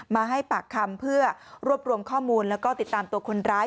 มาให้ปากคำเพื่อรวบรวมข้อมูลแล้วก็ติดตามตัวคนร้าย